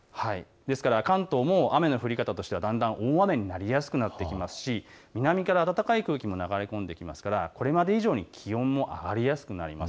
関東も雨の降り方としてはだんだん大雨になりやすくなっていきますし南から暖かい空気も流れ込んできますからこれまで以上に気温も上がりやすくなります。